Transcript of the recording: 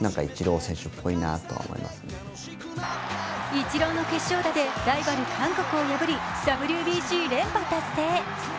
イチローの決勝打でライバル韓国を破り、ＷＢＣ連覇達成。